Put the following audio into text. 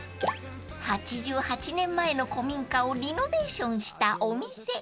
［８８年前の古民家をリノベーションしたお店］